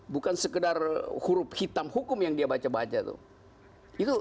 bukan sekedar huruf hitam hukum yang dia baca baca tuh